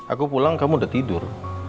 aku pulang kamu udah tidur